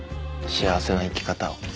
幸せな生き方を。